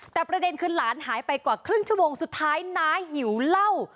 แต่ประเด็นคือหลานหายไปกว่าครึ่งชั่วโมงสุดท้ายน้าหิวเหล้า